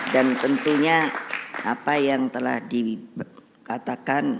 dan tentunya apa yang telah dikatakan